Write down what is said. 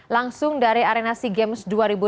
langsung dari arenasi games dua ribu dua puluh tiga